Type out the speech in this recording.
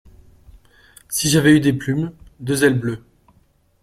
Si j’avais eu des plumes, deux ailes bleues.